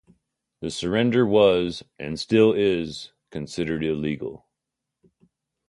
This surrender was, and still is, considered illegal.